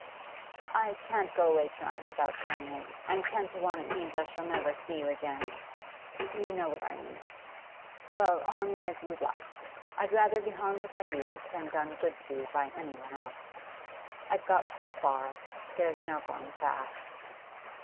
'I can't go away to night without saying it, and ten to one it means I shall never see you again. You know what I mean. Well, harm me as you like; I'd rather be harmed by you than done good to by any one else. I've got so far, there's no going back.